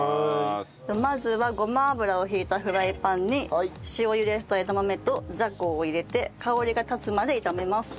まずはごま油を引いたフライパンに塩茹でした枝豆とじゃこを入れて香りが立つまで炒めます。